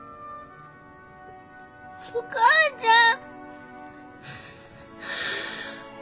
お母ちゃん。